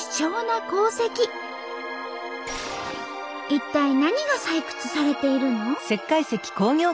一体何が採掘されているの？